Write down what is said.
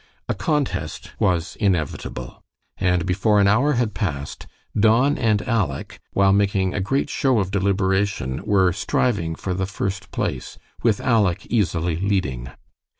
A contest was inevitable, and before an hour had passed Don and Aleck, while making a great show of deliberation, were striving for the first place, with Aleck easily leading.